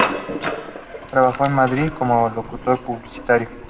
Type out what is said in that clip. Trabajó en Madrid, como locutor publicitario.